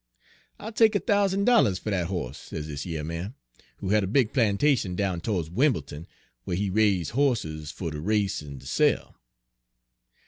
" 'I'll take a thousan' dollahs fer dat hoss,' sez dis yer man, who had a big plantation down to'ds Wim'l'ton, whar he raise' hosses fer ter race en ter sell.